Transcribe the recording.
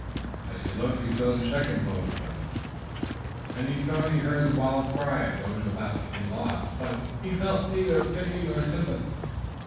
As he looked, he saw the second boat overturn, and he thought he heard the wild cry of those about to be lost, but he felt neither pity nor sympathy.